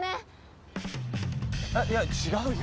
えっいや違うよ。